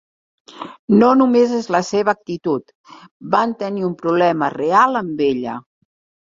No només és la seva actitud, vam tenir un problema real amb ella.